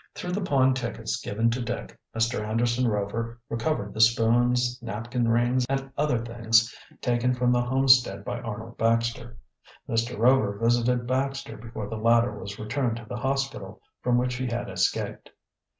Through the pawn tickets given to Dick, Mr. Anderson Rover recovered the spoons, napkin rings and other things taken from the homestead by Arnold Baxter. Mr. Rover visited Baxter before the latter was returned to the hospital from which he had escaped.